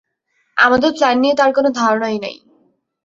আমাদের প্ল্যান নিয়ে তার কোন ধারনাই নেই।